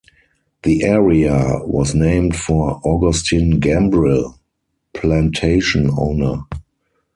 The area was named for Augustine Gambrill, plantation owner.